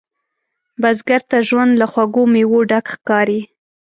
بزګر ته ژوند له خوږو میوو ډک ښکاري